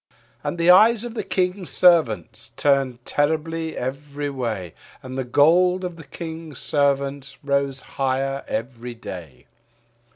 And the eyes of the King's Servants turned terribly every way, And the gold of the King's Servants rose higher every day.